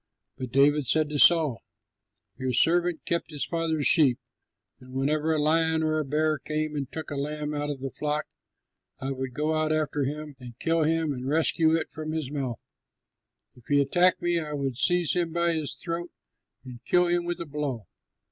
But David said to Saul, "Your servant kept his father's sheep, and whenever a lion or a bear came and took a lamb out of the flock, I would go out after him and kill him and rescue it from his mouth. If he attacked me, I would seize him by his throat and kill him with a blow.